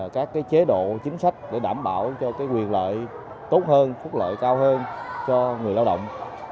các chế độ chính sách để đảm bảo cho quyền lợi tốt hơn phúc lợi cao hơn cho người lao động